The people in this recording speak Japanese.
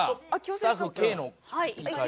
「スタッフＫの怒り」